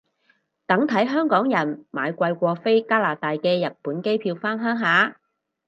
等睇香港人買貴過飛加拿大嘅日本機票返鄉下